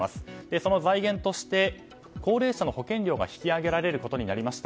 その財源として高齢者の保険料が引き上げられることになりました。